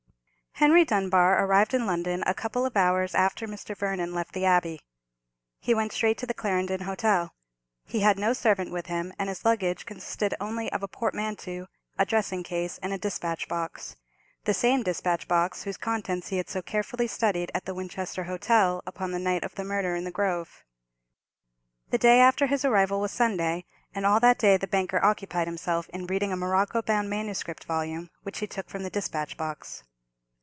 Henry Dunbar arrived in London a couple of hours after Mr. Vernon left the Abbey. He went straight to the Clarendon Hotel. He had no servant with him, and his luggage consisted only of a portmanteau, a dressing case, and a despatch box; the same despatch box whose contents he had so carefully studied at the Winchester hotel, upon the night of the murder in the grove. The day after his arrival was Sunday, and all that day the banker occupied himself in reading a morocco bound manuscript volume, which he took from the despatch box.